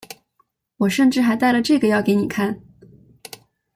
我甚至还带了这个要给你看